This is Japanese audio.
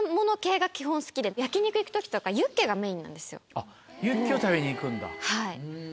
あっユッケを食べに行くんだ。